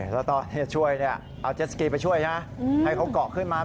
แล้วตอนช่วยเนี่ยเอาเจ็ดสกีไปช่วยนะให้เขาก่อกขึ้นมา